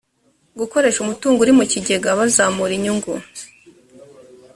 gukoresha umutungo uri mu kigega bazamura inyungu